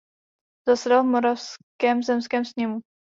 Zasedal v moravském zemském sněmu.